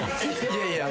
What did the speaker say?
いやいや。